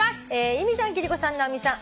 「由美さん貴理子さん直美さん